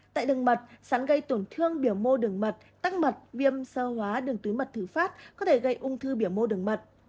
tại đường mật sắn gây tổn thương biểu mô đường mật tắc mật viêm sơ hóa đường tuyến mật thử phát có thể gây ung thư biểu mô đường mật